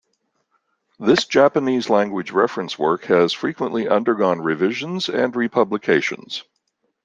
This Japanese language reference work has frequently undergone revisions and republications.